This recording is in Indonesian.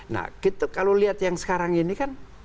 nah kita kalau lihat yang sekarang ini kan